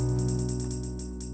gak ada apa apa